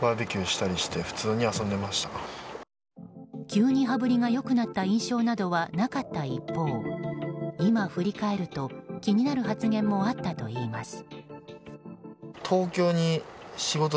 急に羽振りが良くなった印象などはなかった一方今、振り返ると気になる発言もあったといいます。